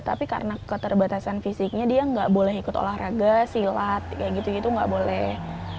tapi karena keterbatasan fisiknya dia nggak boleh ikut olahraga silat kayak gitu gitu nggak boleh